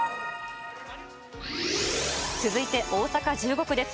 続いて、大阪１５区です。